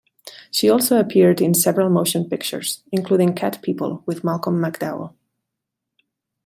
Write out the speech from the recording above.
She also appeared in several motion pictures, including "Cat People" with Malcolm McDowell.